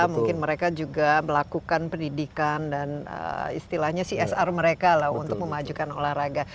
mungkin mereka juga melakukan pendidikan dan istilahnya csr mereka lah untuk memajukan olahraga